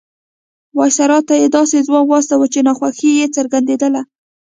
وایسرا ته یې داسې ځواب واستاوه چې ناخوښي یې څرګندېدله.